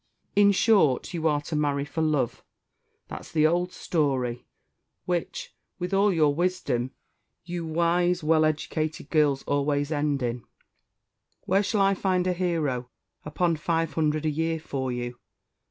"In short, you are to marry for love that's the old story, which, with all your wisdom, you wise, well educated girls always end in. Where shall I find a hero upon five hundred a year for you?